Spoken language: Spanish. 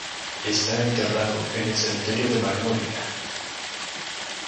Está enterrado en el cementerio de Magnolia.